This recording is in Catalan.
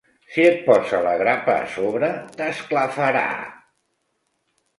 Si et posa la grapa a sobre t'esclafarà.